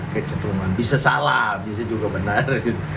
kecentruman bisa salah bisa juga benar